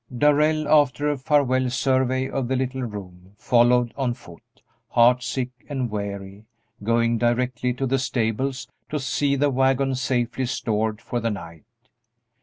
Darrell, after a farewell survey of the little room, followed on foot, heartsick and weary, going directly to the stables to see the wagon safely stored for the night.